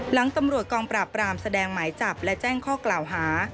หลังตำรวจกองปราบรามแสดงหมายจับและแจ้งข้อกล่าวหา